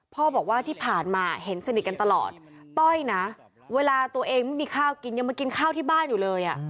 พ่อบอกว่าที่ผ่านมาเห็นสนิทกันตลอดต้อยนะเวลาตัวเองไม่มีข้าวกินยังมากินข้าวที่บ้านอยู่เลย